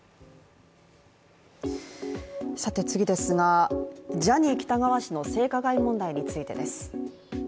次ですがジャニー喜多川氏の性加害問題についてです。